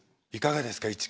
いかがですか？